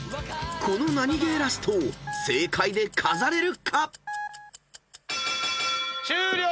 ［このナニゲーラストを正解で飾れるか？］終了！